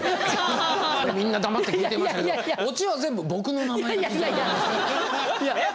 みんな黙って聞いてましたけどオチは全部僕の名前が刻んでありますって。